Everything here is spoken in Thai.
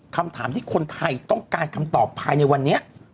คำถามที่คนไทยต้องการคำตอบภายในวันนี้